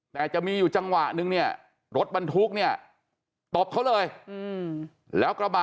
แต่จะมีอยู่จังหวะนึงเนี่ยรถบรรทุกเนี่ยตบเขาเลยแล้วกระบะ